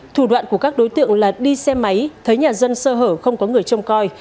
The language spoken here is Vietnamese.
thủ đoạn của các đối tượng là đi xe máy thấy nhà dân sơ hở không có người trông coi